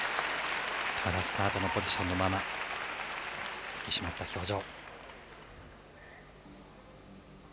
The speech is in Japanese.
スタートのポジションのまま引き締まった表情。